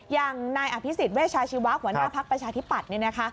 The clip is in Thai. อย่างนายอภิษฎเวชาชีวะหัวหน้าภักดิ์ประชาธิปัตย์